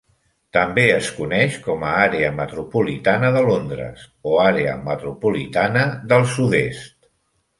També es coneix com a àrea metropolitana de Londres, o àrea metropolitana del sud-est.